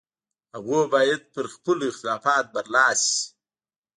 هغوی باید پر خپلو اختلافاتو برلاسي شي.